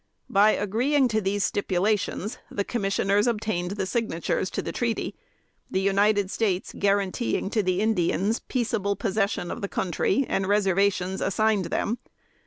By agreeing to these stipulations, the commissioners obtained their signatures to the treaty the United States guaranteeing to the Indians peaceable possession of the country and reservations assigned them.